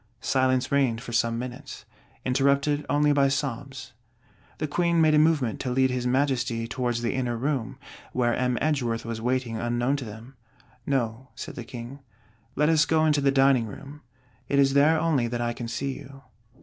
Silence reigned for some minutes; interrupted only by sobs. The Queen made a movement to lead his Majesty towards the inner room, where M. Edgeworth was waiting unknown to them: 'No', said the King, 'let us go into the dining room; it is there only that I can see you.'